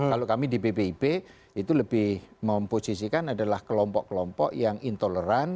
kalau kami di bpip itu lebih memposisikan adalah kelompok kelompok yang intoleran